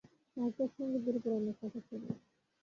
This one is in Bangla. তারপর সঙ্গীতের উপর অনেক কথা চলল।